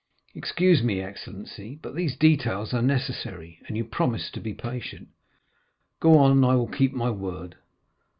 "Excuse me, excellency, but these details are necessary, and you promised to be patient." "Go on; I will keep my word."